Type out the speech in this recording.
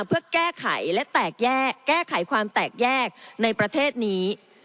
เพื่อแก้ไขและแก้ไขความแตกแยกในประเทศนี้